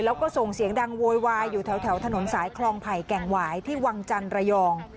แล้วก็ส่งเสียงดังโวยวายอยู่แถวถนนสายคลองไผ่แก่งหวายที่วังจันทร์ระยอง